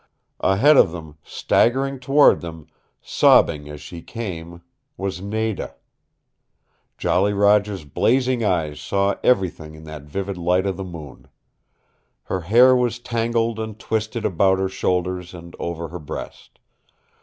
Ahead of them, staggering toward them, sobbing as she came, was Nada. Jolly Roger's blazing eyes saw everything in that vivid light of the moon. Her hair was tangled and twisted about her shoulders and over her breast.